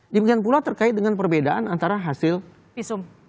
demikian pula terkait dengan perbedaan antara hasil visum